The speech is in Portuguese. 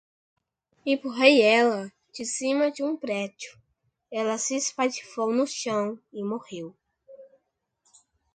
Empurrei ela de cima de um prédio, ela se espatifou no chão e morreu